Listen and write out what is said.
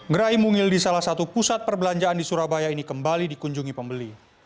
gerai mungil di salah satu pusat perbelanjaan di surabaya ini kembali dikunjungi pembeli